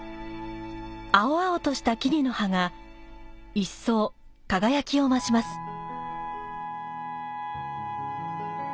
青々とした木々の葉が、一層輝きを増します。